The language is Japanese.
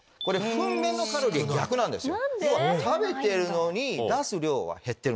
ふん便のカロリー逆なんですよ。